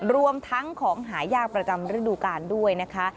รวมทั้งของหายากประจำฤดูกาลด้วยนะคะ